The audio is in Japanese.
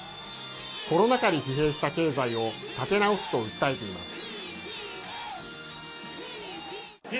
コロナ禍で疲弊した経済を立て直すと訴えています。